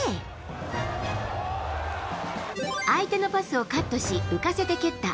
Ａ、相手のパスをカットし、浮かせて蹴った